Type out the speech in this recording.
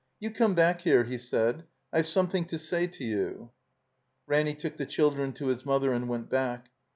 "You come back here," he said. "I've something to say to you." Ranny took the children to his mother and went back. Mr.